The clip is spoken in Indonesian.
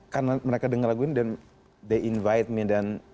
karena mereka denger lagu ini dan they invite me dan